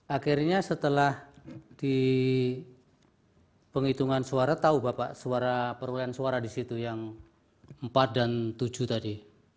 akhirnya setelah di penghitungan suara tahu bapak suara perolehan suara di situ yang empat dan tujuh tadi